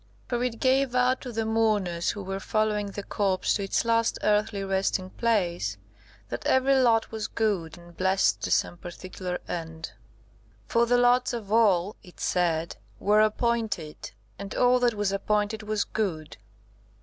For it gave out to the mourners who were following the corpse to its last earthly resting place, that every lot was good, and blessed to some particular end. For the lots of all (it said) were appointed, and all that was appointed was good.